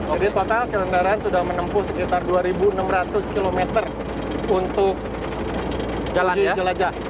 jadi total kendaraan sudah menempuh sekitar dua enam ratus km untuk uji jelajah